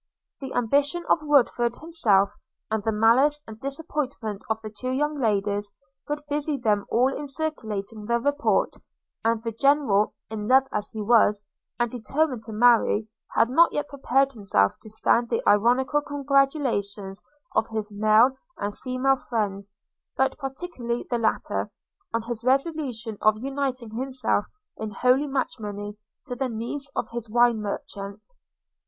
The ambition of Woodford himself, and the malice and disappointment of the two young ladies, would busy them all in circulating the report; and the General, in love as he was, and determined to marry, had not yet prepared himself to stand the ironical congratulations of his male and female friends, but particularly the latter, on his resolution of uniting himself in holy matrimony to the niece of his wine merchant.